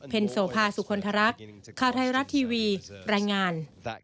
เพ็ญโสภาสุคคลทรัพย์คาไทรัตทีวีรายงาน